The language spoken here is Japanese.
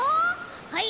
はい。